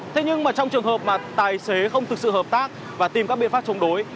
thế nhưng mà trong trường hợp mà tài xế không thực sự hợp tác và tìm các biện pháp chống đối